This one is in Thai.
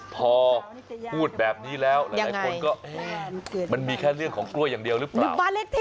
พอพูดแบบนี้แล้วหลายคนก็มันมีแค่เรื่องของกล้วยอย่างเดียวหรือเปล่า